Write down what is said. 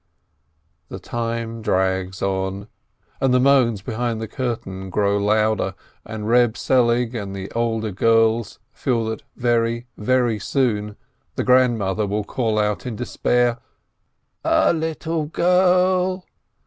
The time drags on, the moans behind the curtain grow louder, and Reb Selig and the elder girls feel that soon, very soon, the "grandmother'' will call out in despair, "A little girl!"